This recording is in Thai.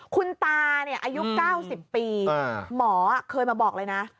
คุณตาอายุ๙๐ปีหมอเคยมาบอกเลยนะ